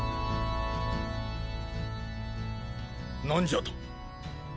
何じゃと？